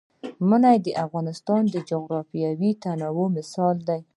منی د افغانستان د جغرافیوي تنوع مثال دی.